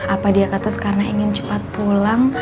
apa dia ketus karena ingin cepat pulang